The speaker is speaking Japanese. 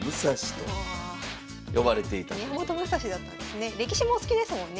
宮本武蔵だったんですね。